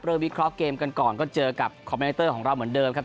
วิเคราะห์เกมกันก่อนก็เจอกับคอมเมเตอร์ของเราเหมือนเดิมครับ